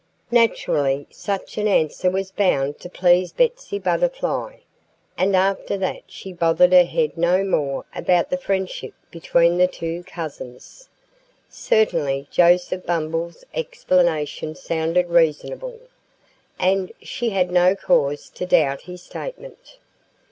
Naturally such an answer was bound to please Betsy Butterfly. And after that she bothered her head no more about the friendship between the two cousins. Certainly Joseph Bumble's explanation sounded reasonable. And she had no cause to doubt his statement.